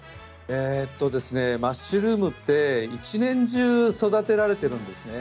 マッシュルームって一年中、育てられているんですね。